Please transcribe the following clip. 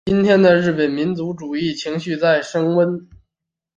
今天的日本民族主义情绪在升温。